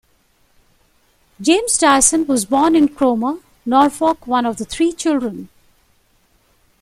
James Dyson was born in Cromer, Norfolk, one of three children.